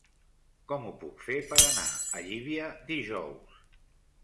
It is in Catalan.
Com ho puc fer per anar a Llívia dijous?